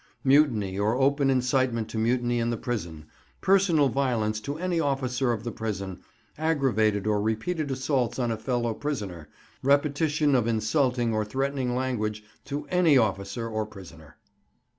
Mutiny or open incitement to mutiny in the prison, personal violence to any officer of the prison, aggravated or repeated assaults on a fellow prisoner, repetition of insulting or threatening language to any officer or prisoner.